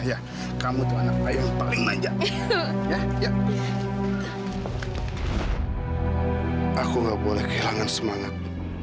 aku gak boleh kehilangan semangat